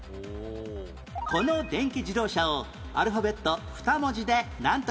この電気自動車をアルファベット２文字でなんという？